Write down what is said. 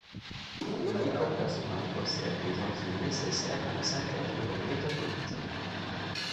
Les mycoplasma possèdent les enzymes nécessaires à la synthèse de leurs métabolites.